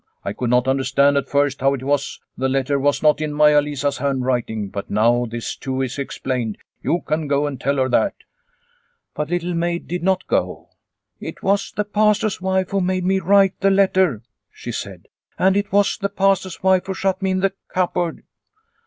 "I could not understand at first how it was the letter was not in Maia Lisa's hand writing, but now this too is explained. You can go and tell her that." But Little Maid did not go. " It was the Pastor's wife who made me write the letter," she said. " And it was the Pastor's wife who shut me in the cupboard."